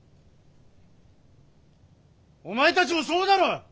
お前たちもそうだろう！